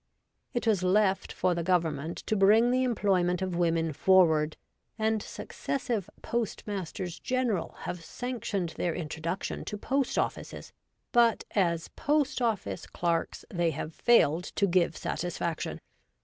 It was left for the Government to bring the employment of women forward, and successive Postmasters General have sanctioned their intro duction to post offices ; but as post office clerks they have failed to give satisfaction.